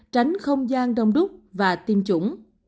tránh không gian đông đút và tiêm chủng